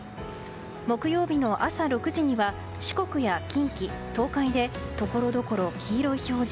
木曜日の朝６時には四国や近畿・東海でところどころ、黄色い表示。